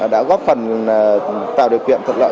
đã góp phần tạo điều kiện thật lợi